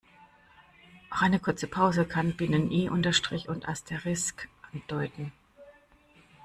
Auch eine kurze Pause kann Binnen-I, Unterstrich und Asterisk andeuten.